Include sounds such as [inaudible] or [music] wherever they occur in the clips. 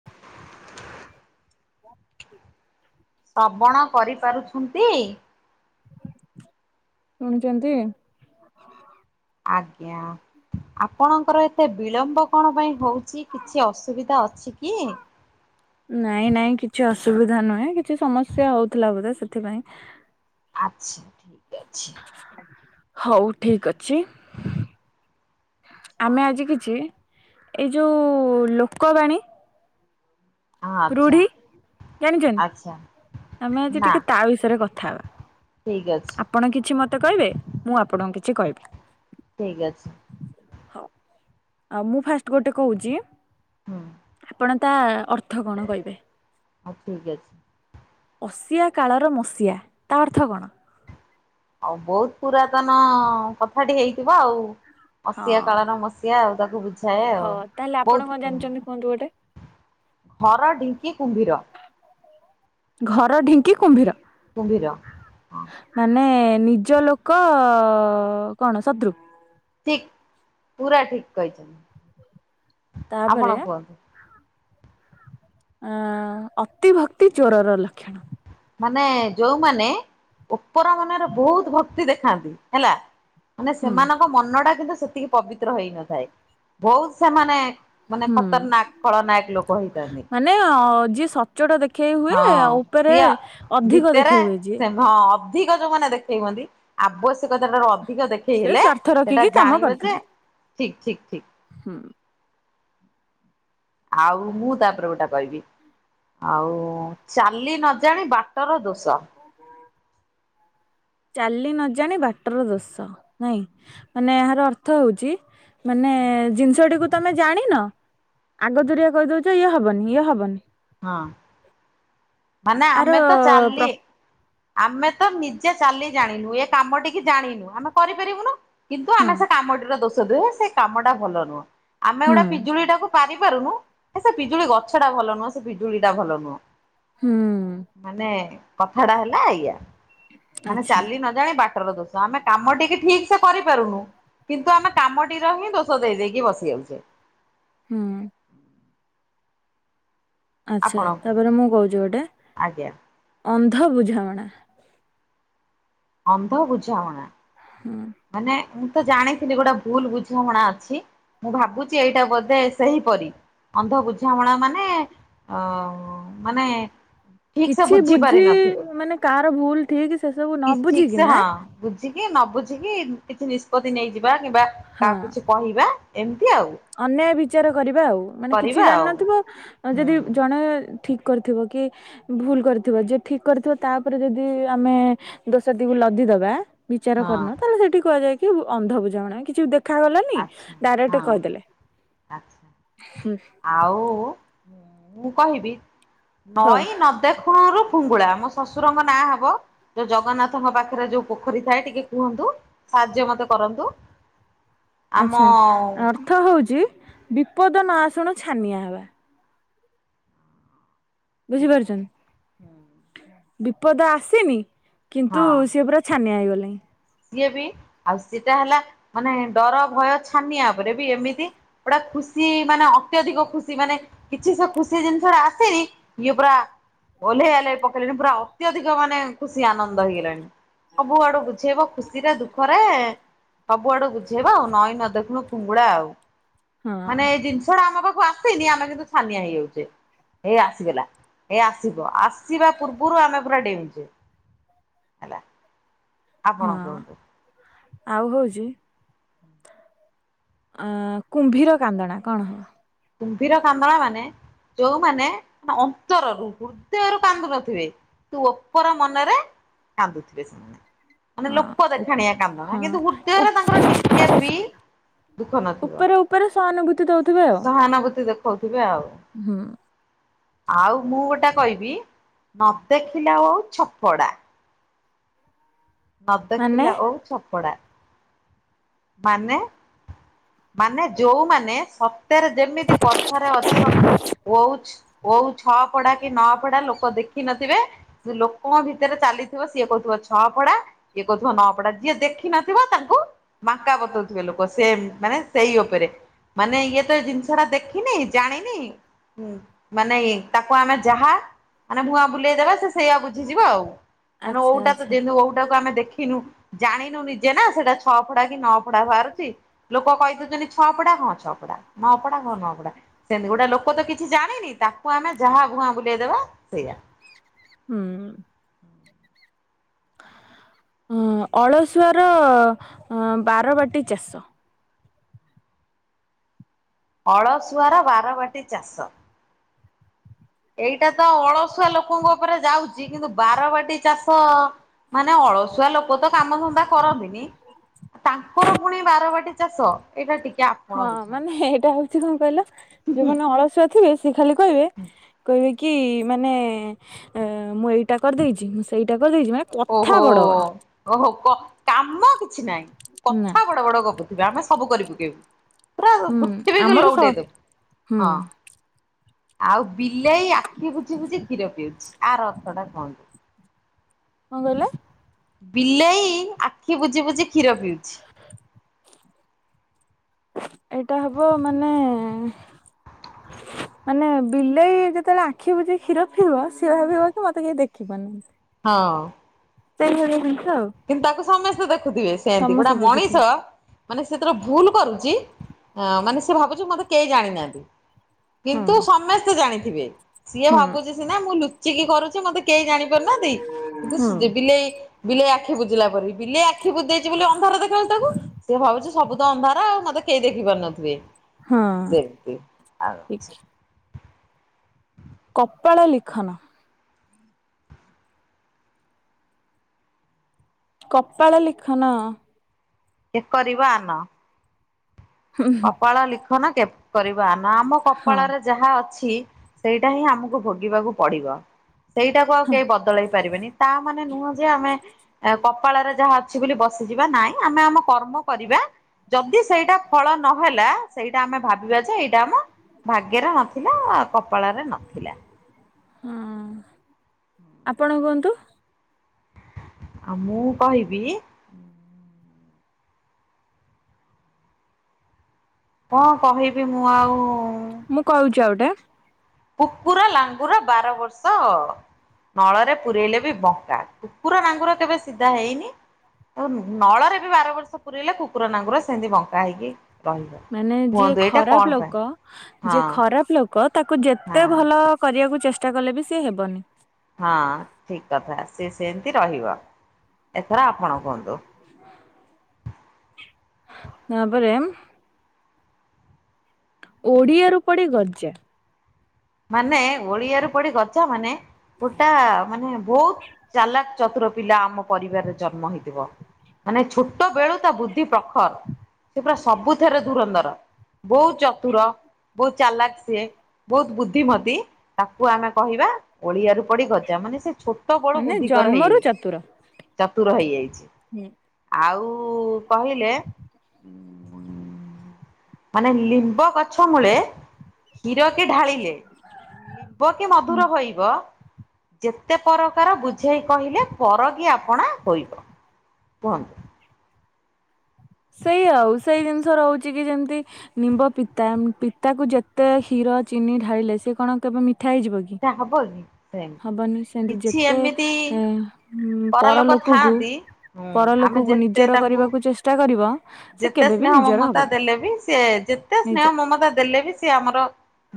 [inaudible] [inaudible] ଶ୍ରବଣ କରିପାରୁଛନ୍ତି? ଶୁଣୁଛନ୍ତି? ଆଜ୍ଞା ଆପଣଙ୍କର ଏ ଏତେ ବିଳମ୍ବ କଣ ପାଇଁ ହେଉଛି କିଛି ଅସୁବିଧା ଅଛି କି? ନାଇଁ ନାଇଁ କିଛି ଅସୁବିଧା ନୁହେଁ କିଛି ସମସ୍ୟା ହଉଥିଲା ବୋଧେ ସେଥିପାଇଁ। ଆଚ୍ଛା ଠିକ୍ ଅଛି। ହଉ ଠିକ ଅଛି। ଆମେ ଆଜି କିଛି ଏଇ ଯୋଉ ଲୋକବାଣୀ ହଁ ଆଛା। ରୁଢି ଜାଣିଛନ୍ତି ଆମେ ଆଜି ନା ଟିକେ ତା ବିଷୟରେ କଥା ଠିକ ଅଛି ହେବା। ଆପଣ କିଛି ମତେ କହିବେ ମୁଁ ଆପଣଙ୍କୁ କିଛି କହିବି। ଠିକ୍ ଅଛି। ହଉ ମୁଁ ଫାଷ୍ଟ ଗୋଟେ କହୁଛି? ହୁଁ। କଣ ତା ଅର୍ଥ କଣ କହିବେ? ହଉ ଠିକ ଅଛି। ଅସିିଆ କାଳର ମସିଆ ତା ଅର୍ଥ କଣ? ଆଉ ବହୁତ ପୁରାତନ କଥାଟି ହେଇଥିବ ଆଉ? ହଁ ମସିଆ କାଳର ମସିହା ଆଉ ତାକୁ ବୁଝାଏ ଆଉ ହଁ ତାହେଲେ ଆପଣ ବହୁତ କଣ ପୁରୁଣା। ଜାଣିଛନ୍ତି କୁହନ୍ତୁ ଗୋଟେ? ଘର ଢିଙ୍କି କୁମ୍ଭୀର। ଘର ଢିଙ୍କି କୁମ୍ଭୀର। କୁମ୍ଭୀର। ହଁ ମାନେ ନିଜ ଲୋକ କଣ ଶତ୍ରୁ? ଠିକ ପୁରା ଠିକ କହିଛନ୍ତି ତାପରେ ଆପଣ କୁହନ୍ତୁ? ଆଁ ଅତିଭକ୍ତି ଚୋରର ଲକ୍ଷଣ। ମାନେ ଯୋଉମାନେ ଉପର ମନରେ ବହୁତ ଭକ୍ତି ଦେଖାନ୍ତି ହେଲା ମାନେ ହୁଁ ସେମାନଙ୍କ ମନ ଟା କିନ୍ତୁ ସେତିକି ପବିତ୍ର ହେଇନଥାଏ ବହୁତ ସେମାନେ ମାନେ ହୁଁ। ଖତରନାକ ଫଳନାୟକ ଲୋକ ହେଇଥାନ୍ତି। ମାନେ ଯିଏ ସଚୋଟ ଦେଖେଇ ହୁଏ ହଁ ଆଉ ଉପରେ ସିଏ ଅଧିକ ଭିତରେ ଦେଖେଇ ହୁଏ ଯିଏ। ସେ ହଁ ଅଧିକ ଯୋଉମାନେ ଦେଖେଇ ହୁଅନ୍ତି ଆବ ଆବଶ୍ୟକତା ଠାରୁ ଅଧିକ ଦେଖେଇ ସେ ହେଲେ ସ୍ଵାର୍ଥ ସେଟା ରଖିକି ଜାଣିବ ଯେ ଠିକ ଠିକ ହଁ। ଆଉ ମୁଁ ତାପରେ ଗୋଟା କହିବି। ଆଉ ଚାଲି ନଜାଣି ବାଟର ଦୋଷ। ଚାଲି ନଜାଣି ବାଟର ଦୋଷ ନାଇଁ। ମାନେ ଏହାର ଅର୍ଥ ହେଉଛି ମାନେ ଜିନିଷଟିକୁ ତମେ ଜାଣିନ ଆଗ ଦୁରିଆ କହି ଦଉଛ ଇଏ ହବନି ଇଏ ହବନି। ହଁ। ମାନେ ଆର ଆମେ ତ ପ୍ର ଚାଲି ଆମେ ତ ନିଜେ ଚାଲି ଜାଣିନୁ ଏ କାମ ଟିକେ ଜାଣିନୁ ଆମେ କରିପାରିବୁନୁ। କିନ୍ତୁ ହଁ ଆମେ ସେ କାମଟିର ଦୋଷ ଦଉ ହେ ସେ କାମଟା ଭଲ ନୁହଁ ଆମେ ହୁଁ ଗୋଟେ ପିଜୁଳିଟାକୁ ପାରି ପାରୁନୁ ସେ ପିଜୁଳି ଗଛ ଟା ଭଲ ନୁହଁ ସେ ପିଜୁଳି ଟା ଭଲ ନୁହଁ। ହୁଁ। ମାନେ କଥା ଟା ହେଲା ଏଇଆ ମାନେ ଆଚ୍ଛା ଚାଲି ନ ଜାଣି ବାଟର ଦୋଷ ଆମେ କାମ ଟିକି ଠିକ୍ ସେ କରିପାରୁନୁ କିନ୍ତୁ ଆମେ କାମଟିର ହିଁ ଦୋଷ ଦେଇ ଦେଇକି ବସି ଯାଉଛୁ। ହୁଁ। ଆଚ୍ଛା ଆପଣ ତାପରେ ମୁଁ କହୁଛି ଗୋଟେ ଆଜ୍ଞା ଅନ୍ଧ ବୁଝାମଣା। ଅନ୍ଧ ବୁଝାମଣା। ହଁ। ମାନେ ମୁଁ ତ ଜାଣିଥିଲି ଗୋଟେ ଭୁଲ ବୁଝାମଣା ଅଛି। ମୁଁ ଭାବୁଛି ଏଇଟା ବୋଧେ ସେହିପରି ଅନ୍ଧ ବୁଝାମଣା ମାନେ ଅ ମାନେ ଠିକ ସେ କିଛି ପାରି ବୁଝି ନଥିବ। ମାନେ କାହାର ଭୁଲ ଠିକ ସେ ସବୁ କି ନ ଠିକ ସେ ବୁଝିକି ନା ହଁ ବୁଝିକି ନ ବୁଝିକି କିଛି ନିଷ୍ପତି ନେଇଯିବା କିମ୍ବା ହଁ କାହା କହିବା ଏମିତି ଆଉ। ଅନ୍ୟାୟ ବିଚାର କରିବା ଆଉ। ମାନେ କିଛି କରିବା ଆଉ ଜାଣିନଥିବ ଯଦି ହୁଁ ଜଣେ ଠିକ୍ କରିଥିବ କି ଭୁଲ କରିଥିବ ଯିଏ ଠିକ୍ କରିଥିବ ତା ଉପରେ ଯଦି ଆମେ ଦୋଷାଟିକୁ ଲଦିଦବା। ବିଚାର ହଁ କରିନ ତାହେଲେ ସେଠି କୁହାଯାଏ କି ଅନ୍ଧ ବୁଝାମଣା। କିଛି ଦେଖାଗଲାନି ଆଚ୍ଛା ଡାଇରେକ୍ଟ ହଁ କହିଦେଲେ ଆଚ୍ଛା। ହୁଁ। ଆଉ ମୁଁ କହିବି ହଁ ନଈ ନ ଦେଖୁଣୁରୁୁ ଫୁଙ୍ଗୁଳା ମୋ ଶ୍ୱଶୁରଙ୍କ ନାଁ ହବ। ଯୋଉ ଜଗନ୍ନାଥଙ୍କ ପାଖରେ ଯୋଉ ପୋଖରୀ ଥାଏ ଟିକେ କୁହନ୍ତୁ ସାହାଯ୍ୟ ମତେ କରନ୍ତୁ। ଆମ ଆଚ୍ଛା ଆ ଅର୍ଥ ହେଉଛି ବିପଦ ନ ଶୁଣୁ ଛାନିଆ ହେବା। ବୁଝିପାରୁଛନ୍ତି? ହୁଁ [unintelligible] ବିପଦ ଆସିନି କିନ୍ତୁ ହଁ। ସିଏ ପୁରା ଛାନିଆ ହେଇଗଲେଣି। ସିଏ ବି ଆଉ ସେଟା ହେଲା ମାନେ ଡର ଭୟ ଛାନିଆ ଉପରେ ବି ଏମିତି ଗୋଟା ଖୁସି ମାନେ ଅତ୍ୟଧିକ ଖୁସି ମାନେ କିଛି ସେ ଖୁସି ଜିନିଷ ଟା ଆସେନି ଇଏ ପୁରା ଓହ୍ଲେଇ ଆହ୍ଲେଇ ପକେଇଲେଣି ପୁରା ଅତ୍ୟଧିକ ମାନେ ଖୁସି ଆନନ୍ଦ ହେଇଗଲାଣି ସବୁ ଆଡୁ ବୁଝେଇବ। ଖୁସିରେ ଦୁଃଖରେ ସବୁ ଆଡୁ ବୁଝେଇବା ଆଉ ନଈ ନ ଦେଖୁଣୁ ଫୁଙ୍ଗୁଡା ଆଉ। ହଁ। ମାନେ ଏ ଜିନିଷଟା ଆମ ପାଖକୁ ଆସେନି ଆମେ କିନ୍ତୁ ଛାନିଆ ହେଇଯାଉଛେ ହେଇ ଆସିଗଲା। ଏ ଆସିବ ଆସିବା ପୂର୍ବରୁ ଆମେ ପୁରା ଡେଉଁଛେ। ହେଲା ଆପଣ ହଁ କୁହନ୍ତୁ। ଆଉ ହୋଉଚି ଅଁ କୁମ୍ଭୀର କାନ୍ଦଣା କଣ? କୁମ୍ଭୀର କାନ୍ଦଣା ମାନେ ଯୋଉମାନେ ଅନ୍ତରରୁ ହୃଦୟରୁ କାନ୍ଦୁ ନଥିବେ। ତୁ ଅପୋର ମନରେ କାନ୍ଦୁଥିବେ ସେମାନେ। ମାନେ ହଁ ଲୋକ ଉପ- ଦେଖାଣିଆ କାନ୍ଦଣା ହଁ କିନ୍ତୁ ହୃଦୟରେ ତାଙ୍କର ଟିକେ ଉପ- ବି ଦୁଃଖ ନଥିବ। ଉପରେ ଉପରେ ସହାନୁଭୂତି ଦଉଥିବେ ଆଉ। ସହାନୁଭୂତି ଦେଖଉଥିବେ ଆଉ। ହୁଁ। ଆଉ ମୁଁ ଗୋଟେ କହିବି ନ ଦେଖିଲା ଓଉ ଛପଡା। ମାନେ ନଦେଖିଲା ଓଉ ଛପଡା। ମାନେ? ମାନେ ଯୋଉମାନେ ସତରେ ଯେମିତି କଥାରେ ଅଛି। ଓଉ ଓଉ ଛଅ ଫଢା କି ନଅ ଫଢା ଲୋକ ଦେଖି ନଥିବେ। ଯୋଉ ଲୋକଙ୍କ ଭିତରେ ଚାଲିଥିବ ସିଏ କହୁଥିବ ଛଅ ଫଡା। କିଏ କହୁଥିବ ନ ଫଡା ଯିଏ ଦେଖିନଥିବ ତାଙ୍କୁ ମାଙ୍କା ବତଉଥିବେ ଲୋକ ସେ ମାନେ ସେଇ ଉପରେ। ମାନେ ଇଏ ତ ଜିନିଷଟା ଦେଖିନି ଜାଣିନି। ମାନେ ଇଏ ତାକୁ ଆମେ ଯାହା ମାନେ ଭୂଆଁ ବୁଲେଇଦବା ସେ ସେଇଆ ବୁଝିଯିବ ଆଉ। ମାନେ ଆଚ୍ଛା ଓଉଟା ତ ଆଚ୍ଛା ଯେମିତି ଓଉଟାକୁ ଆମେ ଦେଖିନୁ ଜାଣିନୁ ନିଜେ ନା ସେଇଟା। ଛଅ ଫଢା କି ନଅ ଫଢା ବାହାରୁଛି। ଲୋକ କହି ଦଉଛନ୍ତି ଛଅଫଡା ହଁ ଛଅଫଡା, ନଅଫଡା ହଁ ନଅଫଡା। ସେମିତି ଗୋଟେ ଲୋକ ତ କିଛି ଜାଣିନି ତାକୁ ଆମେ ଯାହା ଭୁଆଁ ବୁଲେଇଦବା ସେଇଆ। ହୁଁ। ଉଁ ଅଳସୁଆର ବାରବାଟୀ ଚାଷ। ଅଳସୁଆର ବାରବାଟୀ ଚାଷ। ଏଇଟା ତ ଅଳସୁଆ ଲୋକଙ୍କ ଉପରେ ଯାଉଛି କିନ୍ତୁ ବାରବାଟୀ ଚାଷ ମାନେ ଅଳସୁଆ ଲୋକ ତ କାମ ଧନ୍ଧା କରନ୍ତିନି। ତାଙ୍କର ପୁଣି ବାରବାଟୀ ଚାଷ ଏଇଟା ଟିକେ ଆପଣ ହଁ ବୁଝନ୍ତୁ। ମାନେ ଏଇଟା ହୋଉଛି କଣ କହିଲ ଯୋଉମାନେ ଅଳସୁଆ ଥିବେ ସେ ଖାଲି କହିବେ କହିବେ କି ମାନେ ମୁଁ ଏଇଟା କରିଦେଇଛି ମୁଁ ସେଇଟା କରିଦେଇଛି। ମାନେ କଥା ଓହୋ ବଡ ବଡ ଓହୋ କାମ କିଛି ନାହିଁ ନା କଥା ବଡ ବଡ। ଯା ଆମେ ସବୁ କରିପକେଇବୁ। ପୁରା ହୁଁ ପୃଥିବୀକୁ ଆମର ଲଉଟେଇ ସ- ହୁଁ ଦେବୁ ହଁ। ଆଉ ବିଲେଇ ଆଖି ବୁଜି ବୁଜି କ୍ଷୀର ପିଉଛି ଆର ଅର୍ଥଟା କଣ। କଣ କହିଲେ? ବିଲେଇ ଆଖି ବୁଜି ବୁଜି କ୍ଷୀର ପିଉଛି। ଏଇଟା ହବ ମାନେ ମାନେ ବିଲେଇ ଯେତେବେଳେ ଆଖି ବୁଜି କ୍ଷୀର ପିଇବ, ସେ ଭାବିବ କି ମତେ କେହି ଦେଖିବନି। ହଁ। ସେଇଭଳିଆ ଜିନିଷ ଆଉ। କିନ୍ତୁ ତାକୁ ସମସ୍ତେ ଦେଖୁଥିବେ ସେମିତି ଗୋଟେ ସମସ୍ତେ ମଣିଷ ଦେଖୁଥିବେ ମାନେ ସେ ଯେତେବେଳେ ଭୁଲ କରୁଛି, ମାନେ ସେ ଭାବୁଛି ମତେ କେହି ଜାଣିନାହାନ୍ତି। ହଁ କିନ୍ତୁ ସମସ୍ତେ ଜାଣିଥିବେ ସିଏ ହୁଁ ଭାବୁଛି ସିନା ମୁଁ ଲୁଚିକି କରୁଛି ମତେ କେହି ଜାଣିପାରୁନାହାନ୍ତି ହୁଁ। କିନ୍ତୁ ବିଲେଇ ବିଲେଇ ଆଖି ଆଖି ବୁଝିଲା ପରି। ବିଲେଇ ଆଖି ବୁଜିଦେଇଛି ବୋଲି ଅନ୍ଧାର ଦେଖା ଯାଉଛି ତାକୁ। ସିଏ ଭାବୁଛି ସବୁ ତ ଅନ୍ଧାର ଆଉ ମତେ କେହି ଦେଖିପାରୁନଥିବେ। ହଁ ସେମତି ଆଉ ଠିକ୍ କପାଳ ଲିଖନ। କପାଳ ଲିଖନ। କେ କରିବ ଆନ। କପାଳ ଲିଖନ କେ କରିବା ଆନ ଆମ ହଁ କପାଳରେ ଯାହା ଅଛି ସେଇଟା ହିଁ ଆମକୁ ଭୋଗିବାକୁ ପଡ଼ିବ। ସେଇଟାକୁ ଆଉ ହଁ କେହି ବଦଳେଇ ପାରିବେନି ତା ମାନେ ନୁହଁ ଯେ ଆମେ କପାଳରେ ଯାହା ଅଛି ବୋଲି ବସିଯିବା ନାଇଁ ଆମେ ଆମ କର୍ମ କରିବା ଯଦି ସେଇଟା ଫଳ ନ ହେଲା ସେଇଟା ଆମେ ଭାବ ଭାବିବା ଯେ ଏଇଟା ଆମ ଭାଗ୍ୟରେ ନଥିଲା କପାଳରେ ନଥିଲା। ହଁ ଆପଣ କୁହନ୍ତୁ। ଆଉ ମୁଁ କହିବି। କଣ କହିବି ମୁଁ ଆଉ? ମୁଁ କହୁଛି ଆଉ ଗୋଟେ। କୁକୁର ଲାଙ୍ଗୁର ବାର ବର୍ଷ ନଳରେ ପୁରଇଲେ ବି ବଙ୍କା କୁକୁର ନାଙ୍ଗୁର କେବେ ସିଧା ହେଇନି ନଳରେ ବି ବାରବର୍ଷ ପୁରେଇଲେ କୁକୁର ନାଙ୍ଗୁର ସେମିତି ବଙ୍କା ହେଇକି ରହିବ। ମାନେ ଯିଏ କୁହନ୍ତୁ ଏଇଟା କଣ ଖରାପ ପାଇଁ ଲୋକ ଯିଏ ହଁ ଖରାପ ଲୋ କ ତାକୁ ହଁ ଯେତେ ଭଲ କରିବାକୁ ଚେଷ୍ଟା କଲେ ବି ସିଏ ହେବନି। ହଁ ଠିକ୍ କଥା ସିଏ ସେମିତି ରହିବ ଏଥର ଆପଣ କୁହନ୍ତୁ। [inaudible] ତା ପରେ। ଓଡ଼ିଆରୁ ପଡ଼ି ଗଜା। ମାନେ ଓଳିଆରୁ ପଡ଼ି ଗଜାମାନେ ଗୋଟା ମାନେ ବହୁତ ଚାଲାକ ଚତୁର ପିଲା ଆମ ପରିବାରରେ ଜନ୍ମ ହେଇଥିବ ମାନେ ଛୋଟ ବେଳୁ ତା ବୁଦ୍ଧି ପ୍ରଖର। [unintelligible] ସେ ପୁରା ସବୁଥେରେ ଧୁରନ୍ଧର। ବହୁତ ଚତୁର ବହୁତ ଚାଲାକ ସିଏ ବହୁତ ବୁଦ୍ଧି ବୁନ୍ଧିମତି ତାକୁ ଆମେ କହିବା ଓଳିଆରୁ ପଡ଼ି ଗଜା ମାନେ ସେ ଛୋଟ ବଳୁ ମାନେ ବୁଦ୍ଧିକର ଜନ୍ମରୁ ଚତୁର ହେଇଯାଇଛି ଚତୁର ହେଇଯାଇଛି। ହୁଁ। ଆଉ କହିଲେ ମାନେ ଲିମ୍ବ ଗଛ ମୂଳେ କ୍ଷୀର କି ଢାଳିଲେ ଲିମ୍ବ କି ହୁଁ ମଧୁର ହୋଇବ ଯେତେ ପରକାର ବୁଝେଇ କହିଲେ ପର କିି ଆପଣା ହୋଇବ କୁହନ୍ତୁ? ସେଇଆ ଆଉ ସେଇ ଜିନିଷ ରହୁଛିକି ଯେମତି ନିମ୍ବ ପିତା ପିତାକୁ ଯେତେ କ୍ଷୀର ଚିନି ଢାଳିଲେ ସେ କଣ କେବେ ମିଠା ହେଇଯିବ କି? ତା ହବ କି ସେମିତି ହବନି ସେମିତି କିଛି ଯେତେ ଏମିତି ଏ ପର ପରଲୋକ ଲୋକକୁ ଥାଆନ୍ତି ହୁଁ ଆମେ ପରଲୋକକୁ ଯେତେ ନିଜର ତାଙ୍କୁ କରିବାକୁ ଚେଷ୍ଟା କରିବ ସେ ଯେତେ କେବେ ବି ସ୍ନେହ ନିଜର ମମତା ହବନି ଦେଲେ ବି ସେ ଯେତେ ନିଜ ସ୍ନେହ ମମତା ଦେଲେ ବି ସେ ଆମର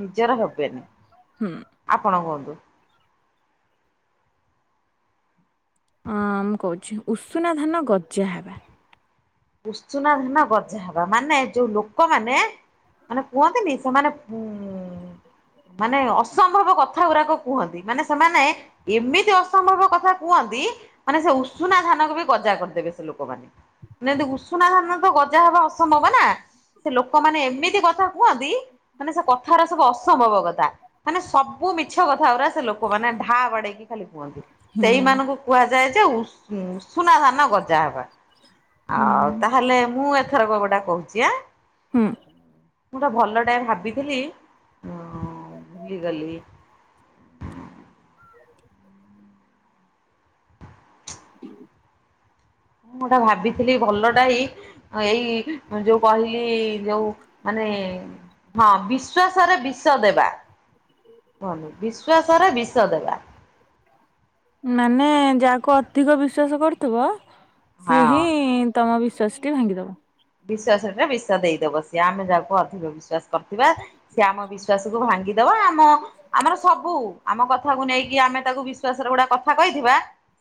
ନିଜର ହେବେନି। ହୁଁ। ଆପଣ କୁହନ୍ତୁ। ହଁ ମୁଁ କହୁଛି ଉଷୁନା ଧାନ ଗଜା ହେବା। ଉଷୁନା ଧାନ ଗଜା ହବା ମାନେ ଯୋଉ ଲୋକମାନେ ମାନେ କୁହନ୍ତିନି ସେମାନେ ଉ ମାନେ ଅସମ୍ଭବ କଥା ଗୁରାକ କୁହନ୍ତି ମାନେ ସେମାନେ ଏମିତି ଅସମ୍ଭବ କଥା କୁହନ୍ତି ମାନେ ସେ ଉଷୁନା ଧାନକୁ ବି ଗଜା କରିଦେବେ ସେ ଲୋକମାନେ। [unintelligible] ଉଷୁନା ଧାନ ତ ଗଜା ହବା ଅସମ୍ଭବ ନା ସେ ଲୋକମାନେ ଏମିତି କଥା କୁହନ୍ତି ମାନେ ସେ କଥାର ସବୁ ଅସମ୍ଭବ କଥା। ମାନେ ସବୁ ମିଛ କଥା ଗୁରା ସେ ଲୋକମାନେ ଢା ବାଡେଇକି ଖାଲି କୁହନ୍ତି। ହୁଁ ସେଇମାନଙ୍କୁ କୁହାଯାଏ ଯେ ଉଷ ଉଷୁନା ଧାନ ଗଜା ହବା। ହୁଁ ଆଉ ତାହେଲେ ମୁଁ ଏଥର କବଡା କହୁଛି ଆଁ। ହୁଁ। ମୁଁ ତ ଭଲଟେ ଭାବିଥିଲି ଉଁ ଭୁଲିଗଲି। ମୁଁ ଗୋଟା ଭାବିଥିଲି ଭଲ ଟାଇ ଏଇ ଯୋଉ କହିଲି ଯୋଉ ମାନେ ହଁ ବିଶ୍ଵାସ ରେ ବିଷ ଦେବା। ହୁନି ବିଶ୍ୱାସରେ ବିଷ ଦେବା। ମାନେ ଯାହାକୁ ଅଧିକ ବିଶ୍ଵାସ କରୁଥିବ ସିଏ ହଁ ହିଁ ତମ ବିଶ୍ୱାସ ଟି ଭାଙ୍ଗିଦେବ। ବିଶ୍ଵାସରେ ବିସ ଦେଇଦବ ସିଏ ଆମେ ଯାହାକୁ ଅଧିକ ବିଶ୍ୱାସ କରିଥିବା। ସିଏ ଆମ ବିଶ୍ଵାସ କୁ ଭାଙ୍ଗିଦବ ଆମ ଆମର ସବୁ ଆମ କଥାକୁ ନେଇକି ଆମେ ତାକୁ ବିଶ୍ଵାସରେ ଗୁଡା କଥା କହିଥିବା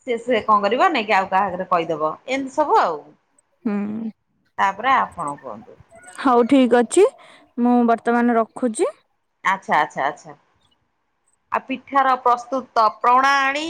ସେ ସେ କଣ କରିବ ନେଇକି ଆଉ କାହା ଆଗରେ କହିଦବ ଏମିତି ସବୁ ଆଉ। ହଁ। ତାପରେ ଆପଣ କୁହନ୍ତୁ। ହଉ ଠିକ୍ ଅଛି ମୁଁ ବର୍ତ୍ତମାନ ରଖୁଛି। ଆଚ୍ଛା ଆଚ୍ଛା ଆଚ୍ଛା ଆଉ ପିଠାର ପ୍ରସ୍ତୁତ ପ୍ରଣାଣୀ